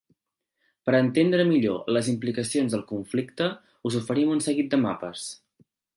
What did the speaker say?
Per entendre millor les implicacions del conflicte us oferim un seguit de mapes.